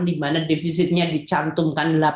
di mana defisitnya dicantumkan